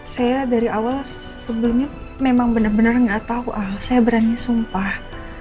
sebelumnya memang bener bener gak tau al saya berani sumpah